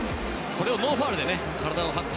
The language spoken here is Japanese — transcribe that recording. ノーファウルで体を張って。